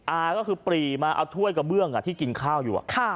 อาก็คือปรีมาเอาถ้วยกระเบื้องที่กินข้าวอยู่